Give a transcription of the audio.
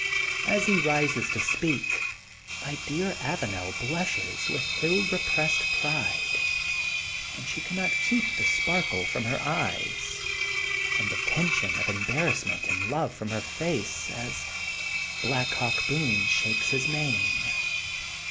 As he rises to speak, my dear Avanel blushes with ill repressed pride and she can not keep the sparkle from her eyes and the tension of embarrassment and love from her face as Black Hawk shakes his mane.